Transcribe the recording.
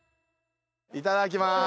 いただきます。